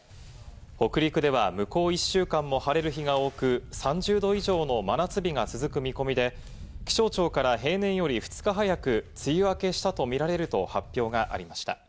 北陸では向こう１週間も晴れる日が多く、３０℃以上の真夏日が続く見込みで、気象庁から平年より２日早く梅雨明けしたとみられると発表がありました。